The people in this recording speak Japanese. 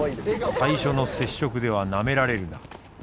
「最初の接触ではなめられるな」。